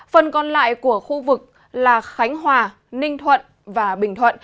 phần còn lại của khu vực là khánh hòa ninh thuận và bình thuận